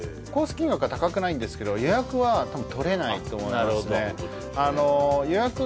金額は高くないんですけど予約は多分取れないと思いますね